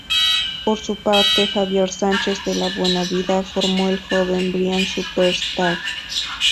Por su parte, Javier Sánchez de La Buena Vida formó El joven Bryan Superstar.